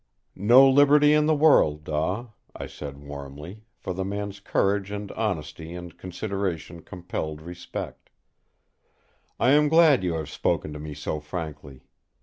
"No liberty in the world, Daw," I said warmly, for the man's courage and honesty and consideration compelled respect. "I am glad you have spoken to me so frankly.